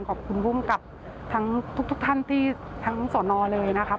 ขอบคุณล่วงกลับทุกท่านที่ทั้งสรเลยนะครับ